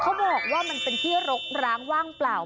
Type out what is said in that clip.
เขาบอกว่ามันเป็นที่รกร้างว่างเปล่า